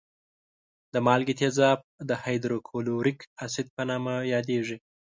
د مالګي تیزاب د هایدروکلوریک اسید په نامه یادېږي.